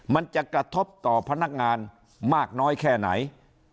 มันจะกระทบต่อพนักงานมากน้อยแค่ไหน